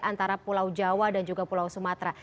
antara pulau jawa dan juga pulau sumatera